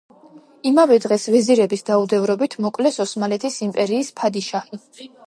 იმავე დღეს, ვეზირების დაუდევრობით, მოკლეს ოსმალეთის იმპერიის ფადიშაჰი.